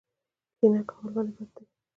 کینه کول ولې بد دي؟